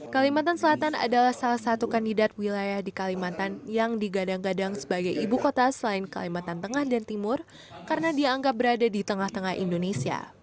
kalimantan selatan adalah salah satu kandidat wilayah di kalimantan yang digadang gadang sebagai ibu kota selain kalimantan tengah dan timur karena dianggap berada di tengah tengah indonesia